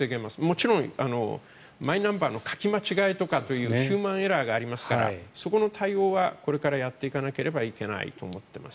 もちろん、マイナンバーの書き間違えとかというヒューマンエラーがありますからそこの対応はこれからやっていかなければいけないと思っています。